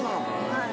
はい。